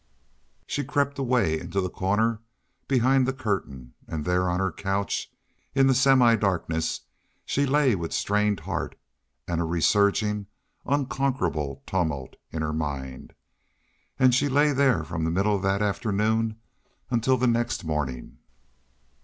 She crept away into the corner behind the curtain, and there on her couch in the semidarkness she lay with strained heart, and a resurging, unconquerable tumult in her mind. And she lay there from the middle of that afternoon until the next morning.